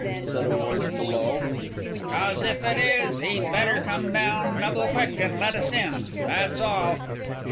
said a voice below "because if it is, he'd better come down, double quick, and let us in, that's all!"